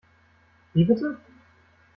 Wie bitte?